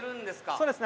そうですね。